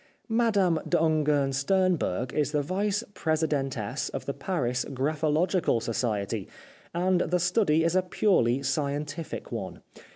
Madame d' Ungern Sternberg is the Vice Presidentess of the Paris Graphological Society, and the study is a purely scientific one.